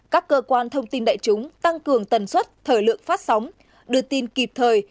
các cơ quan thông tin đại chúng tăng cường tần suất thời lượng phát sóng đưa tin kịp thời